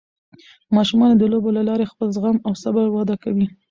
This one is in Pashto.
ماشومان د لوبو له لارې خپل زغم او صبر وده کوي.